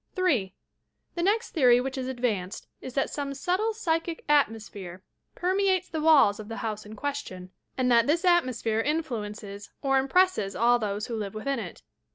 3. The next theory which is advanced is that some subtle psychic atmosphere permeates the walls of the house in question, and that this atmosphere influences or impresses all those who live within it.